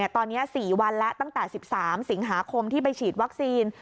ตอนนี้๔วันแล้วตั้งแต่๑๓สิงหาคมที่ไปฉีดวัคซีน